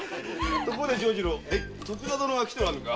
ところで長次郎徳田殿は来ておらぬか？